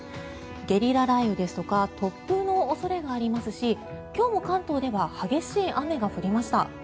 ゲリラ雷雨ですとか突風の恐れがありますし今日も関東では激しい雨が降りました。